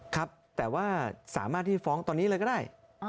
ครับแต่ว่าสามารถที่ฟ้องตอนนี้เลยก็ได้